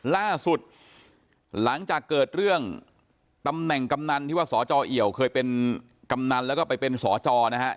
ล่าสุดหลังจากเกิดเรื่องตำแหน่งกำนันที่ว่าสจเอี่ยวเคยเป็นกำนันแล้วก็ไปเป็นสจนะฮะ